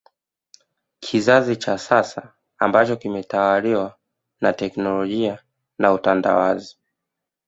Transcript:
Kizazi cha sasa ambacho kimetawaliwa na teknolojia na utandawazi